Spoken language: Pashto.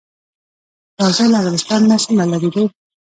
دا ځای له عربستان نه څومره لرې دی؟